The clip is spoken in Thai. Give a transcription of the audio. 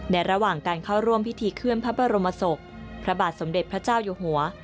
ระหว่างการเข้าร่วมพิธีเคลื่อนพระบรมศพพระบาทสมเด็จพระเจ้าอยู่หัว